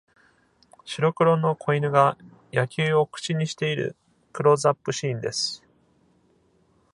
白黒の子犬が野球を口にしているクローズアップシーンです。